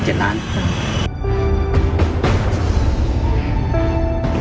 เกือบ๗ล้านบาท